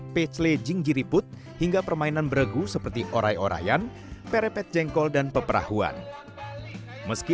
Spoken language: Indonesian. pecele jinggiriput hingga permainan beregu seperti orai orayan perepet jengkol dan peperahuan meski